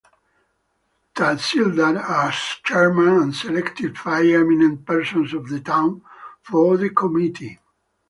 Tahsildar as chairman and selected five eminent persons of the town for the committee.